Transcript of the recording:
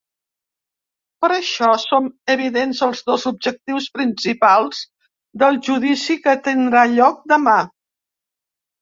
Per això són evidents els dos objectius principals del judici que tindrà lloc demà.